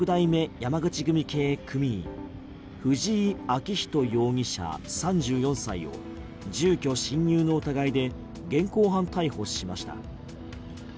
山口組系組員藤井紋寛容疑者、３４歳を住居侵入の疑いで現行犯逮捕しました。